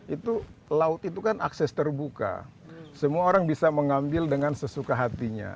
itu laut itu kan akses terbuka semua orang bisa mengambil dengan sesuka hatinya